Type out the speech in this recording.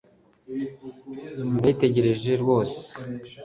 Ndayitegereje rwose